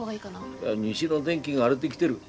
いや西の天気が荒れできてる。